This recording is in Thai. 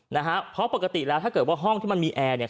นะฮะเพราะปกติแล้วถ้าเกิดว่าห้องที่มันมีแอร์เนี่ย